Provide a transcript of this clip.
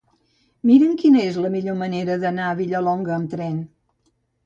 Mira'm quina és la millor manera d'anar a Vilallonga amb tren.